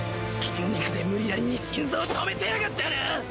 筋肉で無理やりに心臓を止めてやがったなぁ！